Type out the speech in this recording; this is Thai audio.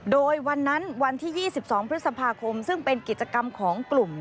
โดยวันนั้นวันที่๒๒พฤษภาคมซึ่งเป็นกิจกรรมของกลุ่ม